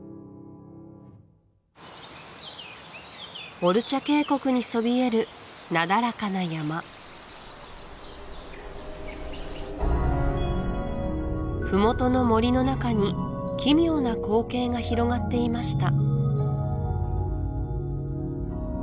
オルチャ渓谷にそびえるなだらかな山麓の森の中に奇妙な光景が広がっていました